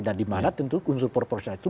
dan dimana tentu unsur proporsionalitas itu